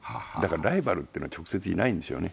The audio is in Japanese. ライバルというのは直接いないんですよね。